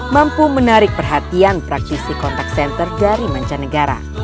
mampu menarik perhatian praktisi kontak senter dari mancanegara